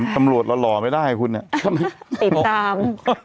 ตำรวจเราหล่อไม่ได้หรอคุณ